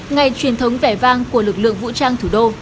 ngày truyền thống vẻ vang của lực lượng vũ trang thủ đô